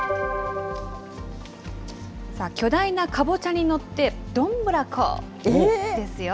巨大なカボチャに乗って、どんぶらこですよ。